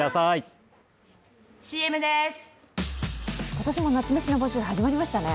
今年も夏メシの募集始まりましたね。